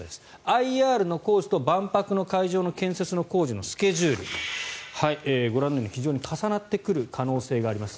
ＩＲの工事と万博の会場の建設の工事のスケジュールご覧のように非常に重なってくる可能性があります。